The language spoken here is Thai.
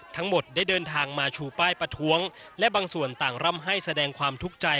ทั้งหมดได้เดินทางมาชูป้ายประท้วงและบางส่วนต่างร่ำให้แสดงความทุกข์ใจ